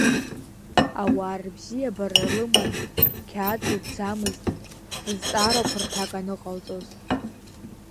Ауаа рыбзиабара лыман, қьаад лкӡамызт рызҵаарақәа рҭак аныҟалҵоз.